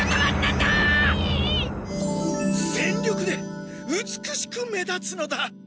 全力で美しく目立つのだ！